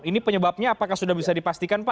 ini penyebabnya apakah sudah bisa dipastikan pak